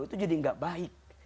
itu jadi gak baik